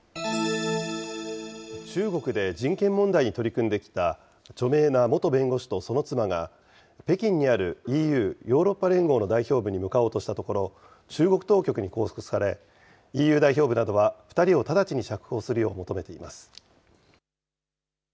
中国で人権問題に取り組んできた著名な元弁護士とその妻が、北京にあるＥＵ・ヨーロッパ連合の代表部に向かおうとしたところ、中国当局に拘束され、ＥＵ代表部などは２人を直ちに釈放するよう求めています。